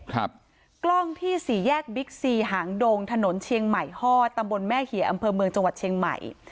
กล้องที่สี่แยกบิ๊กซีหางดงถนนเชียงใหม่ฮ่อตำบลแม่เหี่ยอำเภอเมืองจังหวัดเชียงใหม่